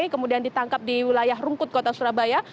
kemudian ditangkap di wilayah rungkut kota surabaya